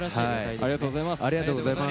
ありがとうございます。